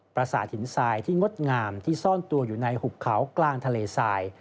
ประสาทหินทรายที่งดงามที่ซ่อนตัวอยู่ในหุบเขากลางทะเลทราย